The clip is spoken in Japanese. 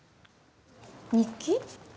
日記？